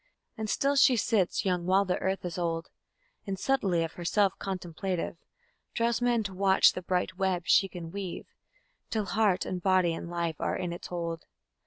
And still she sits, young while the earth is old, And, subtly of herself contemplative, Draws men to watch the bright web she can weave, Till heart and body and life are in its hold.